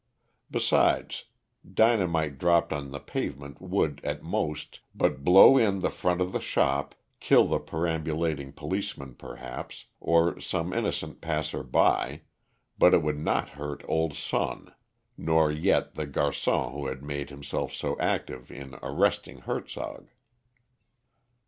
Besides, dynamite dropped on the pavement would, at most, but blow in the front of the shop, kill the perambulating policeman perhaps, or some innocent passer by, but it would not hurt old Sonne nor yet the garçon who had made himself so active in arresting Hertzog.